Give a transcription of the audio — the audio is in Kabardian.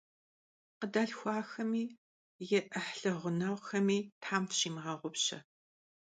Khıdalhxuaxemi yi 'ıhlı ğuneğuxemi Them fşimığeğupşe.